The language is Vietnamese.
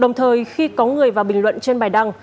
đồng thời khi có người vào bình luận trên bài đăng